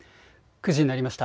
９時になりました。